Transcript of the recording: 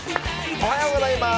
おはようございます。